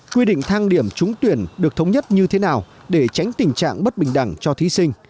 quy định thang điểm trúng tuyển được thống nhất như thế nào để tránh tình trạng bất bình đẳng cho thí sinh